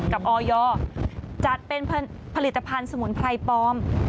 ออยจัดเป็นผลิตภัณฑ์สมุนไพรปลอม